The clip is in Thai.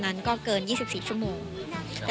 มันก็จะมีข้าวโหม๒ถูกนะคะ